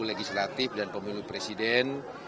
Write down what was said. legislatif dan pemilu presiden